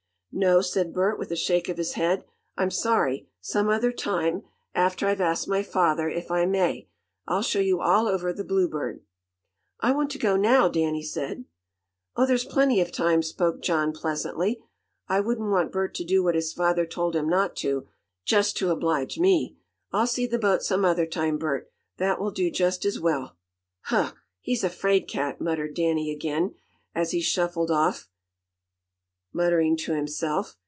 "No," said Bert with a shake of his head. "I'm sorry. Some other time, after I've asked my father if I may, I'll show you all over the Bluebird." "I want to go now," Danny said. "Oh, there's plenty of time," spoke John, pleasantly. "I wouldn't want Bert to do what his father told him not to, just to oblige me. I'll see the boat some other time, Bert; that will do just as well." "Huh! He's a fraid cat!" muttered Danny again, as he shuffled off, muttering to himself.